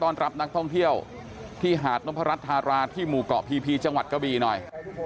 รับนักท่องเที่ยวที่หาดนพรัชธาราที่หมู่เกาะพีพีจังหวัดกะบีหน่อย